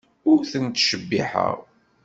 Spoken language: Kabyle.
Ur tent-ttcebbiḥeɣ.